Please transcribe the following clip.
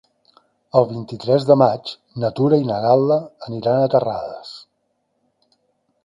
El vint-i-tres de maig na Tura i na Gal·la aniran a Terrades.